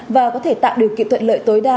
và có thể tạo điều kiện thuận lợi tối đa